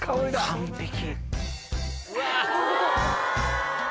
完璧。